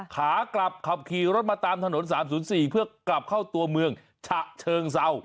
ขากลับขับขี่รถมาตามถนน๓๐๔เพื่อกลับเข้าตัวเมืองฉะเชิงเศร้า